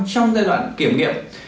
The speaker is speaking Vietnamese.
trong giai đoạn kiểm nghiệm